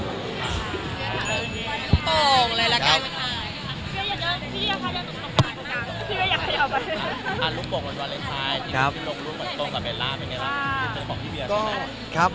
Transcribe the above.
ก็ให้การตอบรับดีครับ